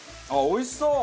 おいしそう。